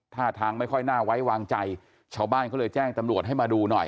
ท่าทางไม่ค่อยน่าไว้วางใจชาวบ้านเขาเลยแจ้งตำรวจให้มาดูหน่อย